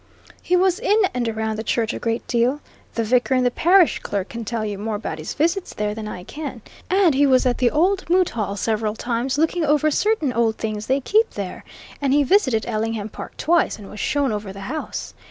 He was in and around the church a great deal the vicar and the parish clerk can tell you more about his visits there than I can and he was at the old moot hall several times, looking over certain old things they keep there, and he visited Ellingham Park twice, and was shown over the house.